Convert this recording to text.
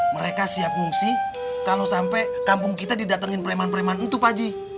mereka siap ngungsi kalo sampe kampung kita didatengin preman preman itu paji